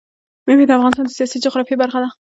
مېوې د افغانستان د سیاسي جغرافیه برخه ده.